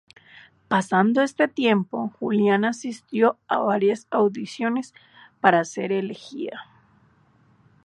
Pasado este punto, Juliana asistió a varias audiciones, para ser elegida.